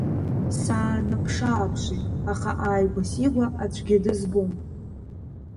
Саанаԥшааԥшит, аха ааигәа-сигәа аӡәгьы дызбом!